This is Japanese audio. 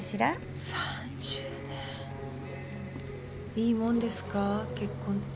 いいもんですか結婚って？